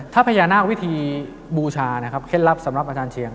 ถ้าพญานาควิธีบูชานะครับเคล็ดลับสำหรับอาจารย์เชียง